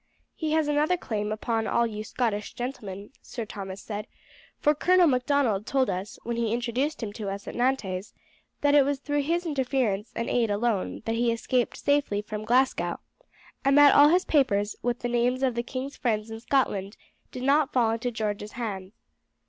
"He has another claim upon all you Scottish gentlemen," Sir Thomas said, "for Colonel Macdonald told us, when he introduced him to us at Nantes, that it was through his interference and aid alone that he escaped safely from Glasgow, and that all his papers, with the names of the king's friends in Scotland, did not fall into George's hands.